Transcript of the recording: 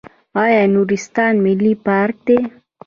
آیا نورستان ملي پارک دی؟